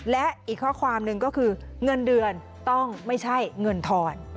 และอีกข้อความหนึ่งก็คือเงินเดือนต้องไม่ใช่เงินทอน